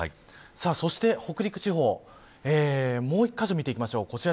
そして北陸地方もう１カ所見ていきましょう。